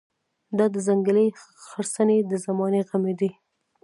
دا د ځنګلي غرڅنۍ د زمانې غمی دی.